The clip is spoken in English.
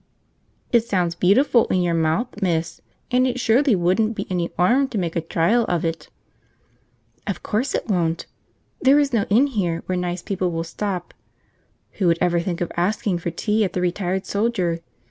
"It sounds beautiful in your mouth, miss, and it surely wouldn't be any 'arm to make a trial of it." "Of course it won't. There is no inn here where nice people will stop (who would ever think of asking for tea at the Retired Soldier?)